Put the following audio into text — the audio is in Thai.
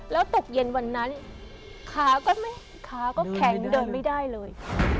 แล้วตกเย็นวันนั้นขาก็ขาก็แข็งเดินไม่ได้เลย